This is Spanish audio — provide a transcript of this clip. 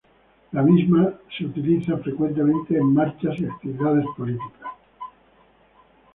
La misma es utilizada frecuentemente en marchas y actividades políticas.